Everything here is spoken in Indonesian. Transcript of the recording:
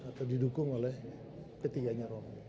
atau didukung oleh ketiganya romy